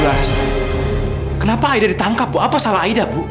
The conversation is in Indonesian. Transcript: kenapa aida ditangkap bu apa salah aida bu